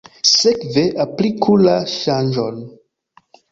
Sekve, apliku la ŝanĝon.